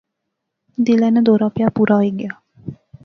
دلے ناں دورہ پیا، پورا ہوئی گیا